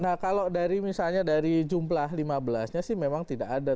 nah kalau dari misalnya dari jumlah lima belas nya sih memang tidak ada